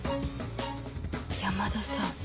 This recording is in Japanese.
山田さん